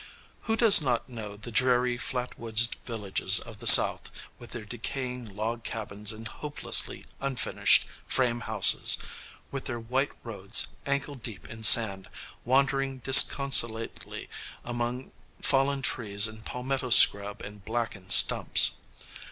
Who does not know the dreary flat woods villages of the South, with their decaying log cabins and hopelessly unfinished frame houses with their white roads, ankle deep in sand, wandering disconsolately among fallen trees and palmetto scrub and blackened stumps?